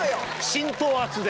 浸透圧で。